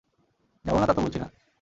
যাবো না তা তো বলছি না।